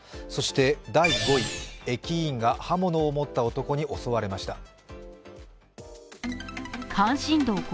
そして第５位、駅員が刃物を持った男に襲われました。